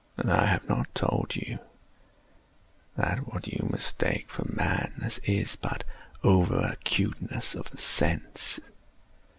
And have I not told you that what you mistake for madness is but over acuteness of the sense?